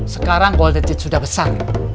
sekarang golden sudah besar